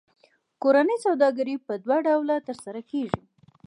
کورنۍ سوداګري په دوه ډوله ترسره کېږي